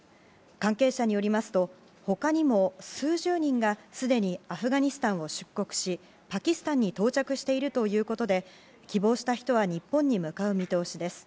関係者によりますと他にも数十人がすでにアフガニスタンを出国しパキスタンに到着しているということで希望した人は日本に向かう見通しです。